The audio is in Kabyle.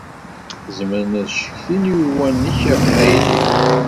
Zemren ad cetkin i uwanek aqbayli.